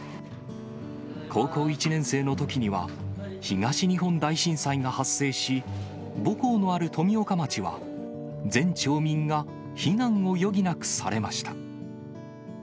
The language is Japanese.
高校１年生のときには、東日本大震災が発生し、母校のある富岡町は、全町民が避難を余儀なくされました。